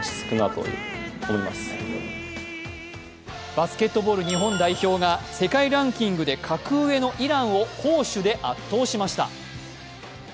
バスケットボール日本代表が世界ランキングで格上のイランを好守で圧倒しました。